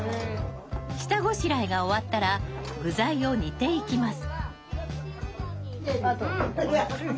下ごしらえが終わったら具材を煮ていきます。